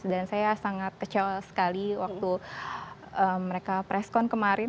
dan saya sangat kecewa sekali waktu mereka preskon kemarin